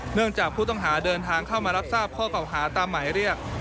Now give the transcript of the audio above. เนื่องจากผู้ต้องหาเดินทางเข้ามารับทราบข้อเก่าหาตามหมายเรียก